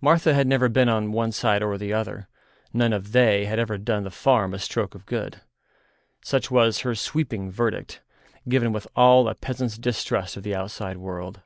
Martha had never been on one side or the other; none of "they" had ever done the farm a stroke of good. Such was her sweeping verdict, given with all a peasant's distrust of the outside world.